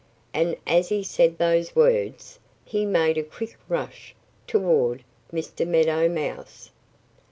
And as he said those words he made a quick rush toward Mr. Meadow Mouse.